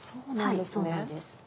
そうなんですね。